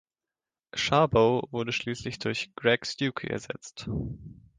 Sharbough wurde schließlich durch Greg Stukey ersetzt.